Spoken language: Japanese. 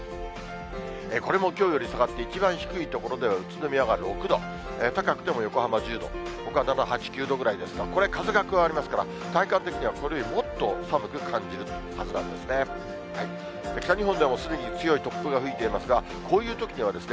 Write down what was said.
これもきょうより下がって、一番低い所では宇都宮が６度、高くても横浜１０度、ほか、７、８、９度くらいですから、これ、風が加わりますから、体感的にはこれよりもっと寒く感じるはずなんですね。